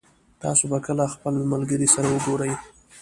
تاسو به کله خپل ملګري سره وګورئ